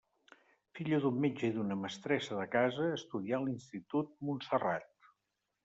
Filla d'un metge i d'una mestressa de casa, estudià a l'Institut Montserrat.